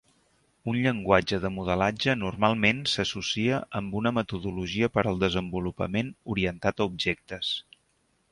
Un llenguatge de modelatge normalment s’associa amb una metodologia per al desenvolupament orientat a objectes.